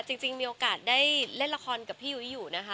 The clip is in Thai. จริงมีโอกาสได้เล่นละครกับพี่ยุ้ยอยู่นะคะ